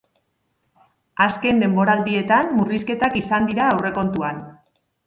Azken denboraldietan, murrizketak izan dira aurrekontuan.